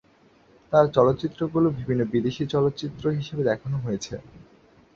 তার চলচ্চিত্রগুলো বিভিন্ন বিদেশি চলচ্চিত্র উৎসবে দেখানো হয়েছে।